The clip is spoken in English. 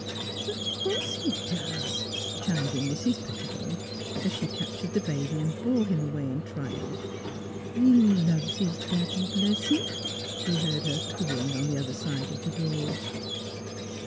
*' Of course he does! " chimed in Mrs. Petti bone, as she captured the baby and bore him away in triumph. " He loves his daddy, b'ess him! " he heard her cooing on the other side of the door.